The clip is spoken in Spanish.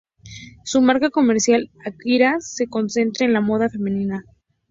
Su marca comercial, Akira, se concentra en la moda femenina.